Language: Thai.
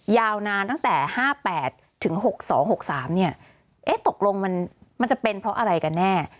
ยาวนานตั้งแต่๕๘ถึง๖๒๖๓เนี่ยเอ๊ะตกลงมันจะเป็นเพราะอะไรกันแน่